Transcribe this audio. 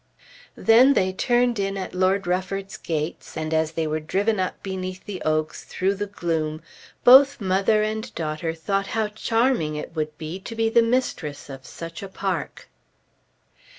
Then they turned in at Lord Rufford's gates; and as they were driven up beneath the oaks, through the gloom, both mother and daughter thought how charming it would be to be the mistress of such a park.